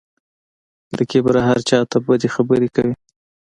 له کبره هر چا ته بدې خبرې کوي.